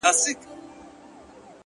• پنډ اوربوز بدرنګه زامه یې لرله ,